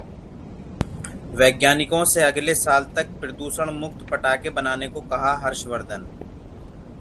वैज्ञानिकों से अगले साल तक प्रदूषणमुक्त पटाखे बनाने को कहा: हर्षवर्धन